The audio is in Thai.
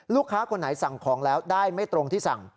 คนไหนสั่งของแล้วได้ไม่ตรงที่สั่ง